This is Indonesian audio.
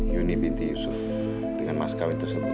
yuni binti yusuf dengan mas kawin tersebut